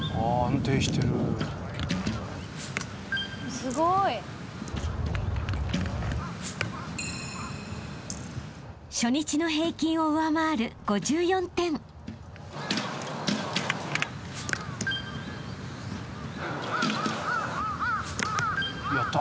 すごい。［初日の平均を上回る５４点］やった。